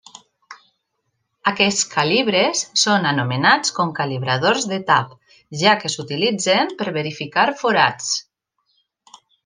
Aquests calibres són anomenats com calibradors de tap, ja que s'utilitzen per verificar forats.